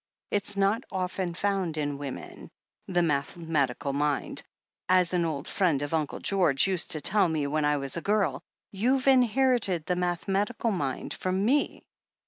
It's not often found in women — ^the mathematical mind — ^as an old friend of Uncle George's used to tell me when I was a THE HEEL OF ACHILLES 377 gfirl. You've inherited the mathematical mind from me.